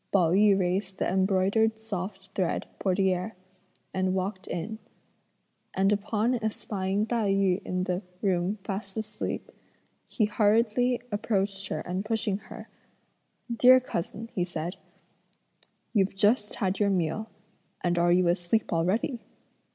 Pao yü raised the embroidered soft thread portiere and walked in; and upon espying Tai yü in the room fast asleep, he hurriedly approached her and pushing her: "Dear cousin," he said, "you've just had your meal, and are you asleep already?"